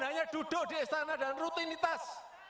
hanya duduk di istana dan rutinitas